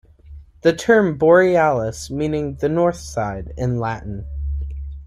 The term "Borealis" meaning "the north side" in Latin.